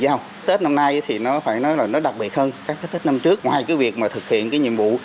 giao tết năm nay thì phải nói là nó đặc biệt hơn các tết năm trước ngoài việc thực hiện nhiệm vụ